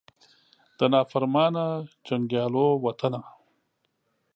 د نافرمانه جنګیالو وطنه